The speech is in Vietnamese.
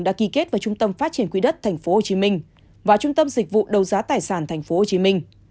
đã ký kết vào trung tâm phát triển quỹ đất tp hcm và trung tâm dịch vụ đấu giá tài sản tp hcm